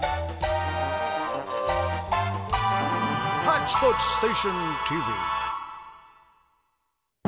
「ハッチポッチステーションＴＶ」。